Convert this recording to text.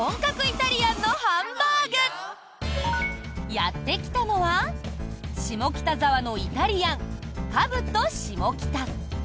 やってきたのは下北沢のイタリアンカブトシモキタ。